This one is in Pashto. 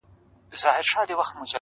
بې حیا یم. بې شرفه په وطن کي.